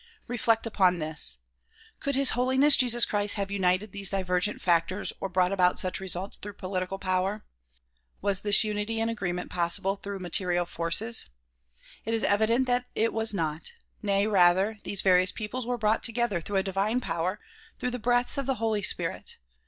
Reflect upon this. Could His Holiness Jesus Christ have united these divergent factors or brought about such results through political power? "Was this unity and agreement possible through material forces? It is evident that it was not ; nay, rather, these various peoples were brought together through a divine power, through the breaths of the Holy Spirit.